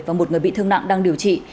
và một người bị thương nặng đang điều trị